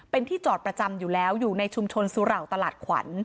เป็นที่จอดประจำอยู่แล้วอยู่ในชุมชนสุเหล่าตลาดขวัญ